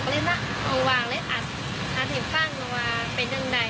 เลยวางแล้วอัดอัดให้ฟังว่าเป็นอย่างไร